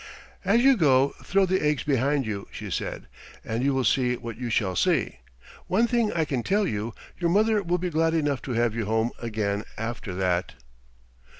"As you go throw the eggs behind you," she said, "and you will see what you shall see. One thing I can tell you, your mother will be glad enough to have you home again after that."